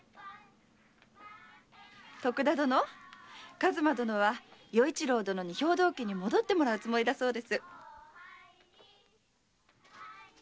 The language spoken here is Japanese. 数馬殿は与一郎殿に兵藤家に戻ってもらうつもりだそうです。